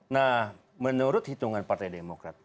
nah menurut hitungan partai demokrat